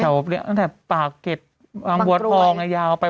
แต่ว่าเนี่ยตั้งแต่ปากเกร็ดบางบัวทองใหญ่ยาวไป